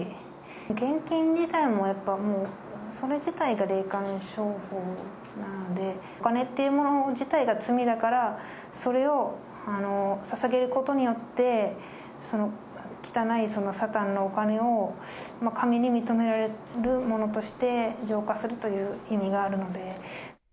献金自体もやっぱもう、それ自体が霊感商法なんで、お金っていうもの自体が罪だから、それをささげることによって、汚いサタンのお金を神に認められるものとして、浄化するという意味があるので。